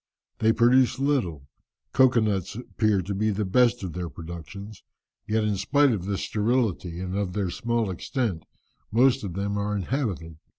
They produce little; cocoa nuts appear to be the best of their productions; yet in spite of this sterility, and of their small extent, most of them are inhabited.